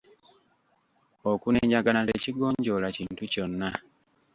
Okunenyagana tekigonjoola kintu kyonna.